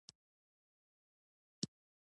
ښوونځی باید مناسب چاپیریال ولري.